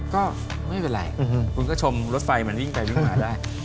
ก็ไม่เป็นไรคุณก็ชมรถไฟมันวิ่งไปวิ่งมาได้